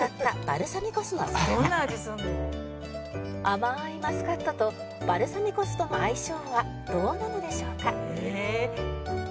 甘いマスカットとバルサミコ酢との相性はどうなのでしょうか？